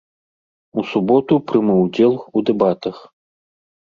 У суботу прыму ўдзел у дэбатах.